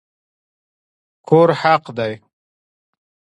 کور حق دی